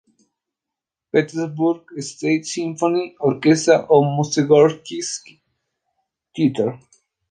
Petersburg State Symphony Orchestra of Mussorgsky Theatre.